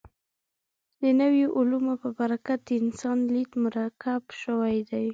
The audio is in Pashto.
د نویو علومو په برکت د انسان لید مرکب شوی دی.